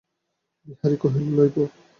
বিহারী কহিল, লইব।